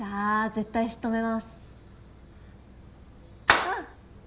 絶対しとめます！